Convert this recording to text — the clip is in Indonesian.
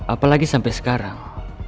apalagi sampai sekarang